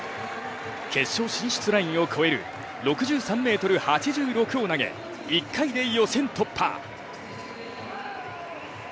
決勝進出ラインを越える６３ｍ８６を投げ１回で予選突破。